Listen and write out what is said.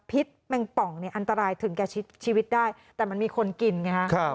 พิษแมงป๋องอันตรายถึงแก่ชีวิตได้แต่มันมีคนกินนะครับ